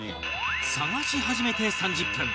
探し始めて３０分